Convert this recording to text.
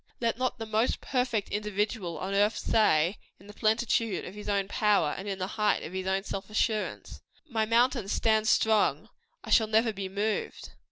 Let not the most perfect individual on earth say, in the plenitude of his own power, and in the height of his own assurance "My mountain stands strong. I shall never be moved."